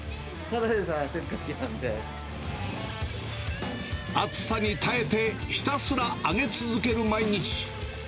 もう、暑さに耐えて、ひたすら揚げ続ける毎日。